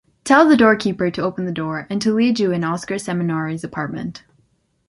Tell the doorkeeper to open the door and to lead you in Oscar Seminari’s apartment.